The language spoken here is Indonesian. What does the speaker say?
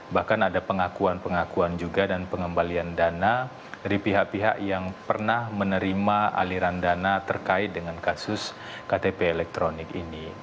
bahkan ada pengakuan pengakuan juga dan pengembalian dana dari pihak pihak yang pernah menerima aliran dana terkait dengan kasus ktp elektronik ini